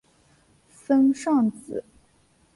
森尚子。